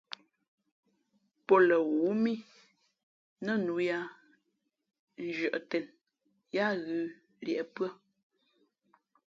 Pō lαghoó mí nά nǔ yāā nzhʉ̄ᾱꞌ tēn yáá ghʉ̌ līēʼ pʉ́ά.